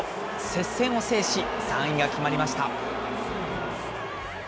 接戦を制し、３位が決まりました。